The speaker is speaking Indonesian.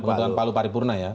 pengetukan palu paripurna ya